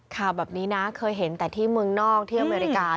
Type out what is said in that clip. ข่าวแบบนี้นะเคยเห็นแต่ที่เมืองนอกที่อเมริกา